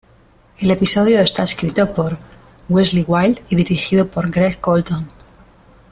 El episodio está escrito por Wellesley Wild y dirigido por Greg Colton.